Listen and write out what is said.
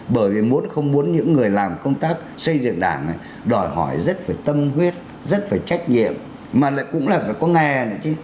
bởi vì muốn không muốn những người làm công tác xây dựng đảng này đòi hỏi rất phải tâm huyết rất phải trách nhiệm mà cũng là phải có nghe